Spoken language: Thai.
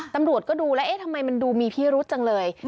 ตำรวจก็ดูแล้วเอ๊ะทำไมมันดูมีพิรุษจังเลย